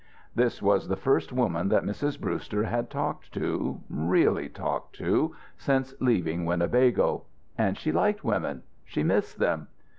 This was the first woman that Mrs. Brewster had talked to really talked to since leaving Winnebago. And she liked women. She missed them.